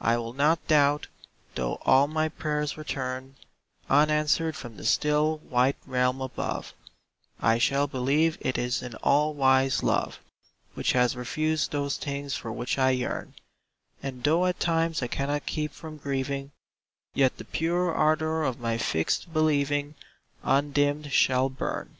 I will not doubt, though all my prayers return Unanswered from the still, white Realm above; I shall believe it is an all wise Love Which has refused those things for which I yearn; And though at times I cannot keep from grieving, Yet the pure ardor of my fixed believing Undimmed shall burn.